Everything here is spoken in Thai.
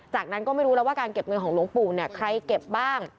จากนั้นก็ไม่รู้แล้วว่าการเก็บเงินของหลวงปู่เนี่ยใครเก็บบ้าง